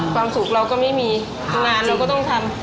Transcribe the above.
ความสุขเราก็ไม่มีงานเราก็ต้องทำ